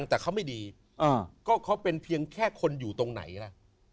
แต่เขาไม่ดีก็เขาเป็นเพียงแค่คนอยู่ตรงไหนล่ะ